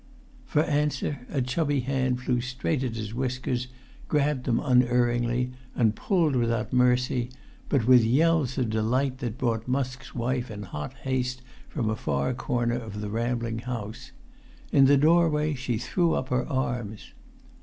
For answer a chubby hand flew straight at his whiskers, grabbed them unerringly, and pulled without mercy, but with yells of delight that brought Musk's wife in hot haste from a far corner of the rambling house. In the doorway she threw up her arms.